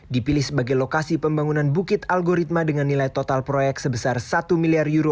dipilih sebagai lokasi pembangunan bukit algoritma dengan nilai total proyek sebesar satu miliar euro